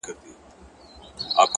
هوډ د ستونزو منځ کې لار جوړوي